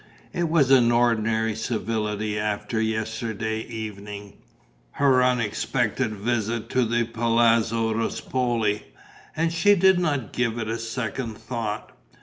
It was an ordinary civility after yesterday evening, her unexpected visit to the Palazzo Ruspoli, and she did not give it a second thought.